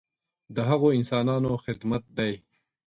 د هغو انسانانو خدمت دی.